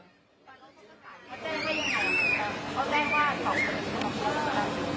เขาแจ้งว่าสองคนก็เล่าแล้ว